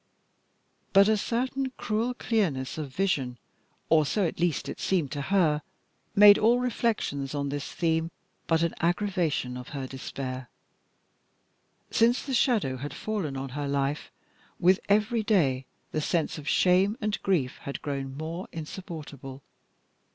But a certain cruel clearness of vision, or so at least it seemed to her, made all reflections on this theme but an aggravation of her despair. Since the shadow had fallen on her life, with every day the sense of shame and grief had grown more insupportable.